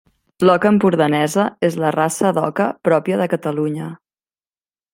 L'oca empordanesa és la raça d'oca pròpia de Catalunya.